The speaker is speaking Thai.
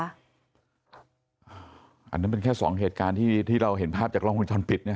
อันนั้นเป็นแค่สองเหตุการณ์ที่เราเห็นภาพจากล้องวงจรปิดเนี่ย